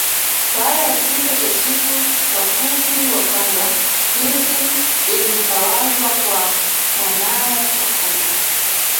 Baada ya kifo cha Chifu Kapufi wa Kwanza milki ilitawazwa kwa mwanae wa kwanza